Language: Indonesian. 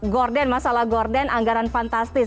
gorden masalah gordon anggaran fantastis